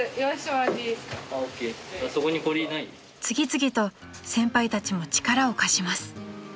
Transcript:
［次々と先輩たちも力を貸します］